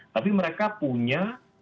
tapi mereka punya anggaran